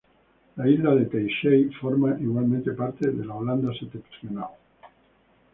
La isla de Texel forma igualmente parte de Holanda Septentrional.